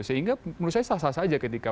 sehingga menurut saya sah sah saja ketika